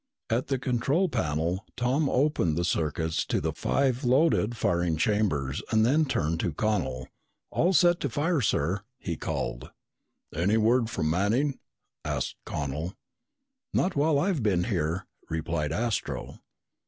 At the control panel, Tom opened the circuits to the five loaded firing chambers and then turned to Connel. "All set to fire, sir!" he called. "Any word from Manning?" asked Connel. "Not while I've been here," replied Astro.